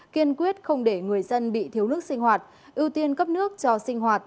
kiên quyết không để người dân bị thiếu nước sinh hoạt ưu tiên cấp nước cho sinh hoạt